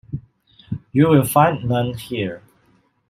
You will find none here.